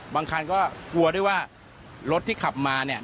บางคันก็กลัวด้วยว่ารถที่ขับมาเนี่ย